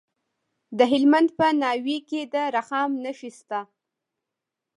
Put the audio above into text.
د هلمند په ناوې کې د رخام نښې شته.